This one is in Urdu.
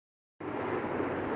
جب دل چاھے گا ، ٹنٹوا دبا دے گا